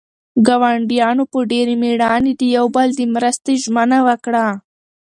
ګاونډیانو په ډېرې مېړانې د یو بل د مرستې ژمنه وکړه.